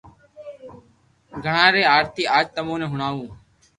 گڻآݾ ري آرتي آج تموني ھڻاو